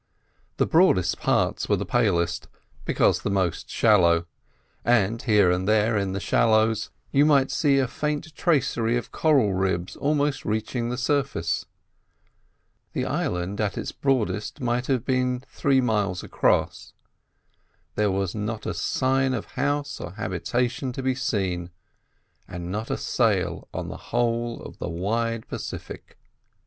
The broadest parts were the palest, because the most shallow; and here and there, in the shallows, you might see a faint tracery of coral ribs almost reaching the surface. The island at its broadest might have been three miles across. There was not a sign of house or habitation to be seen, and not a sail on the whole of the wide Pacific.